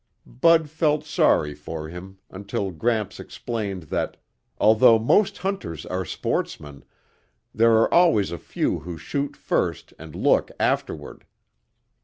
Bud felt sorry for him until Gramps explained that, although most hunters are sportsmen, there are always a few who shoot first and look afterward.